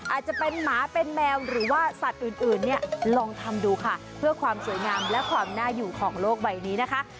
อาจจะเป็นหมาเป็นแมวหรือว่าสัตว์อื่นเนี่ยลองทำดูค่ะเพื่อความสวยงามและความน่าอยู่ของโลกใบนี้นะคะ